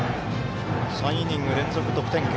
３イニング連続、得点圏。